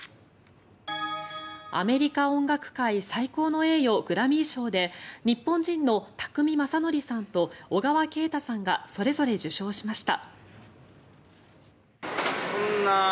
アメリカ音楽界最高の栄誉グラミー賞で日本人の宅見将典さんと小川慶太さんがそれぞれ受賞しました。